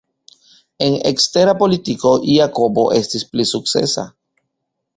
En ekstera politiko, Jakobo estis pli sukcesa.